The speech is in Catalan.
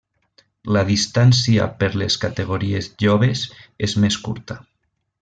La distància per les categories joves és més curta.